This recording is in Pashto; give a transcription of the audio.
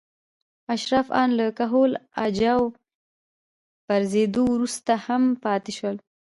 اشراف ان له کهول اجاو پرځېدو وروسته هم پاتې شول.